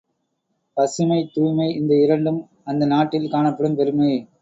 பசுமை தூய்மை இந்த இரண்டும் அந்த நாட்டில் காணப்படும் பெருமை.